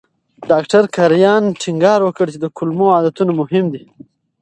ډاکټر کرایان ټینګار وکړ چې د کولمو عادتونه مهم دي.